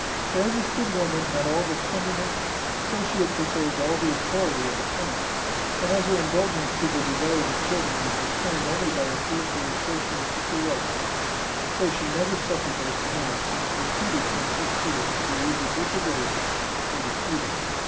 For as this good woman had all the tenderness, so she had preserved all the authority of a parent; and as her indulgence to the desires of her children was restrained only by her fears for their safety and future welfare, so she never suffered those commands which proceeded from such fears to be either disobeyed or disputed.